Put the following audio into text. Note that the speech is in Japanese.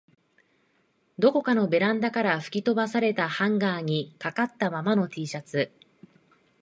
どこかのベランダから吹き飛ばされたハンガーに掛かったままの Ｔ シャツ